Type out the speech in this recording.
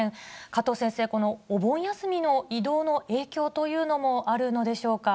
加藤先生、このお盆休みの移動の影響というのもあるのでしょうか。